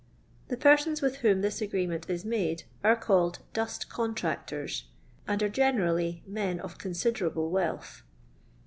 The persons with whom this agreement is made are called " dust contractors," and are generally men of considerable wealth.